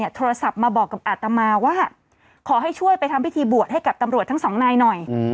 โทรศัพท์มาบอกกับอาตมาว่าขอให้ช่วยไปทำพิธีบวชให้กับตำรวจทั้งสองนายหน่อย